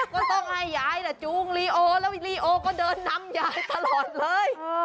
ก็ต้องให้ยายจูงลีโอแล้วลีโอก็เดินนำยายตลอดเลย